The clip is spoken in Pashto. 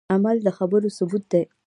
عمل د خبرو ثبوت دی